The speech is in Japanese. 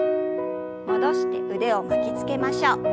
戻して腕を巻きつけましょう。